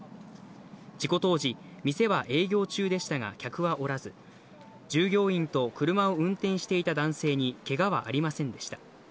事故当時、店は営業中でしたが、客はおらず、従業員と車を運転していた男性にけがはありませんでした。